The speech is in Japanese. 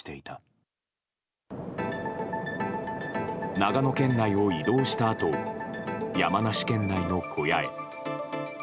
長野県内を移動したあと山梨県内の小屋へ。